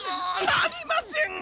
なりません！